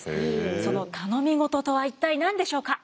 その頼み事とは一体何でしょうか？